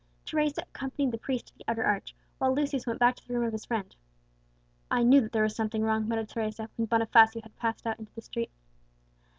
Teresa accompanied the priest to the outer arch, while Lucius went back to the room of his friend. "I knew that there was something wrong," muttered Teresa, when Bonifacio had passed out into the street.